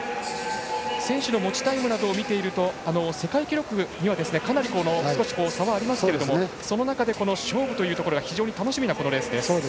選手の持ちタイムなど見ていると世界記録にはかなり差はありますがその中で、勝負というところが非常に楽しみなレースです。